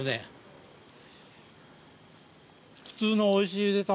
普通のおいしいゆで卵。